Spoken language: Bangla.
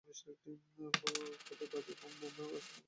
পথে বাজে ভোমরা স্থানে গ্রামবাংলা ভ্যানটি একটি গাছের সঙ্গে ধাক্কা খায়।